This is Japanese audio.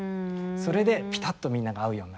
それでピタッとみんなが合うようになる。